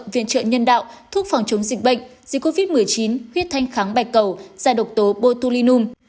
viện trợ nhân đạo thuốc phòng chống dịch bệnh dịch covid một mươi chín huyết thanh kháng bạch cầu giai độc tố botulinum